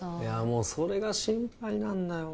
もうそれが心配なんだよ